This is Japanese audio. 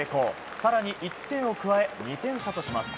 更に１点を加え、２点差とします。